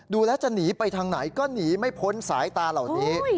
ดูแล้วจะหนีไปทางไหนก็หนีไม่พ้นสายตาเหล่านี้